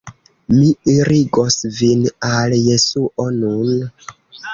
"Mi irigos vin al Jesuo nun."